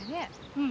うん。